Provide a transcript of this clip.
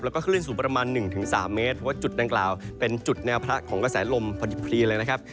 แล้วก็คลื่นสูงประมาณ๑๓เมตรเพราะว่าจุดดังกล่าวเป็นจุดแนวพระของกระแสลมพอดีเลยนะครับ